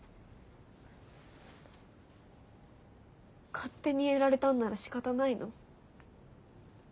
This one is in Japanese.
勝手にやられたんならしかたないの？